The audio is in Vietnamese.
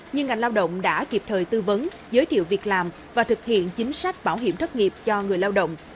nhưng ngành lao động đã kịp thời tư vấn giới thiệu việc làm và thực hiện chính sách bảo hiểm thất nghiệp cho người lao động